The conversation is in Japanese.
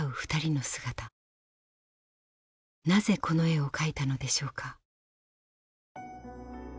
なぜこの絵を描いたのでしょうか。